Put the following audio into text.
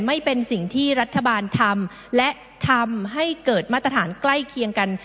ไม่เป็นสิ่งที่รัฐบาลทำและทำให้เกิดมาตรฐานใกล้เคียงกัน